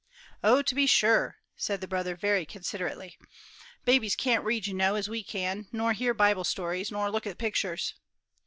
"Oh, to be sure," said the brother very considerately; "babies can't read, you know, as we can, nor hear Bible stories, nor look at pictures."